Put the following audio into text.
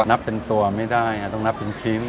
นับเป็นตัวไม่ได้ต้องนับเป็นชิ้น